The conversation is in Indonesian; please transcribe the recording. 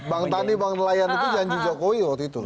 bank tani bank nelayan itu janji jokowi waktu itu